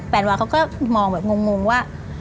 แปลว่าเขาก็มองแบบงงว่า